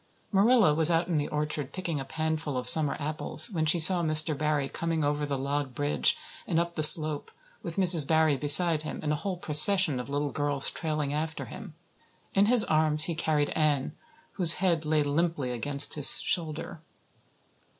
Marilla was out in the orchard picking a panful of summer apples when she saw Mr. Barry coming over the log bridge and up the slope, with Mrs. Barry beside him and a whole procession of little girls trailing after him. In his arms he carried Anne, whose head lay limply against his shoulder.